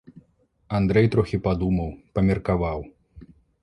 Андрэй трохі падумаў, памеркаваў.